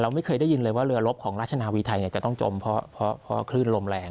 ไม่เคยได้ยินเลยว่าเรือลบของราชนาวีไทยจะต้องจมเพราะคลื่นลมแรง